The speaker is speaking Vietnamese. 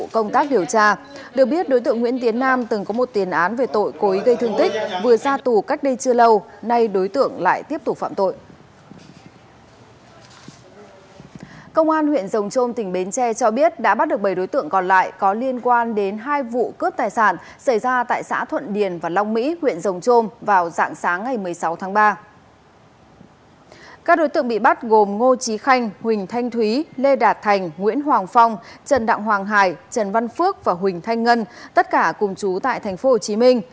các đối tượng bị bắt gồm ngô trí khanh huỳnh thanh thúy lê đạt thành nguyễn hoàng phong trần đặng hoàng hải trần văn phước và huỳnh thanh ngân tất cả cùng chú tại tp hcm